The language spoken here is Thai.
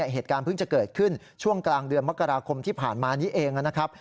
เหตุการณ์เพิ่งจะเกิดขึ้นช่วงกลางเดือนมกราคมที่ผ่านมานี้เองนะครับ